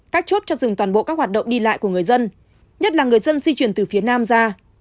các chốt cho dừng toàn bộ các hoạt động đi lại của người dân nhất là người dân di chuyển từ phía nam ra